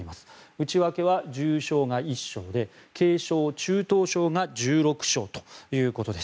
内訳は重症が１床で軽症・中等症が１６床ということです。